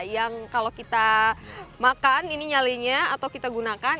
yang kalau kita makan ini nyalenya atau kita gunakan